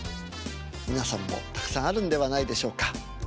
皆さんもたくさんあるんではないでしょうか。